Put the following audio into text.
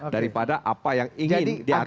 daripada apa yang ingin diatur